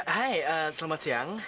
hai selamat siang